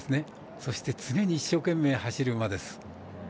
そして、常に一生懸命、走る馬です。